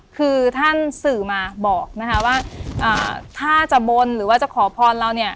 คือท่านสื่อมาบอกนะคะว่าถ้าจะบนหรือว่าจะขอพรเราเนี่ย